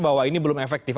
bahwa ini belum efektif